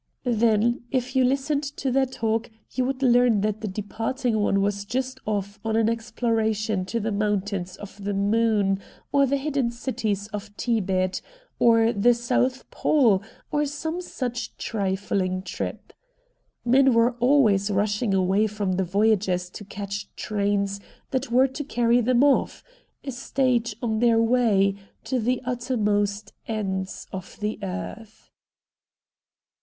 Then if you listened to their talk you would learn that the departing one was just off on an exploration to the Mountains of the Moon, or the hidden cities of Thibet, or the South Pole, or some such trifling trip. Men were always rushing away from the Voyagers to catch trains that were to carry THE MAN FROM AFAR 23 them off — a stage on their way — to the utter most ends of the earth.